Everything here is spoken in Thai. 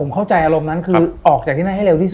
เข้าใจอารมณ์นั้นคือออกจากที่นั่นให้เร็วที่สุด